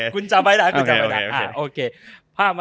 คุณจะไม่รับ